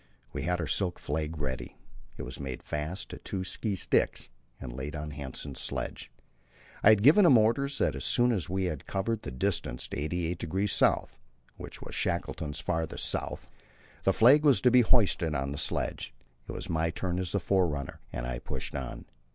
We had our silk flag ready; it was made fast to two ski sticks and laid on Hanssen's sledge. I had given him orders that as soon as we had covered the distance to 88°S., which was Shackleton's farthest south, the flag was to be hoisted on his sledge. It was my turn as forerunner, and I pushed on.